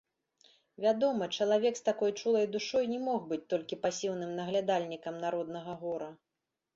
Вядома, чалавек з такой чулай душой не мог быць толькі пасіўным наглядальнікам народнага гора.